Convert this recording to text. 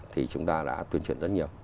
thì chúng ta đã tuyên truyền rất nhiều